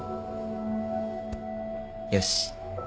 よし。